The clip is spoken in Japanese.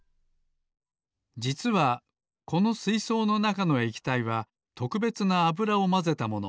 じつはこのすいそうのなかのえきたいはとくべつなあぶらをまぜたもの。